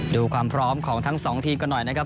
ดูความพร้อมของทั้งสองทีมกันหน่อยนะครับ